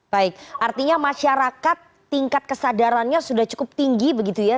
baik artinya masyarakat tingkat kesadarannya sudah cukup tinggi begitu ya